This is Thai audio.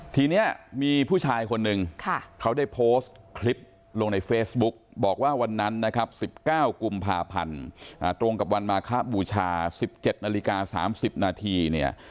ทีนี้มีผู้ชายคนหนึ่งเขาได้โพสต์คลิปลงในเฟซบุ๊กบอกว่าวันนั้นนะครับ๑๙กุมภาพันธ์ตรงกับวันมาคบูชา๑๗นาฬิกา๓๐นาทีเนี่ย